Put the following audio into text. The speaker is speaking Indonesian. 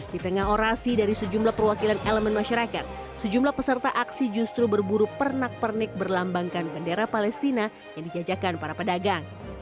di tengah orasi dari sejumlah perwakilan elemen masyarakat sejumlah peserta aksi justru berburu pernak pernik berlambangkan bendera palestina yang dijajakan para pedagang